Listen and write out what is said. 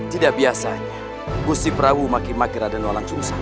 tidak biasanya busi perahu makin makin ada di walang sungsang